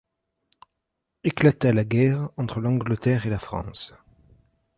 éclata la guerre entre l’Angleterre et la France.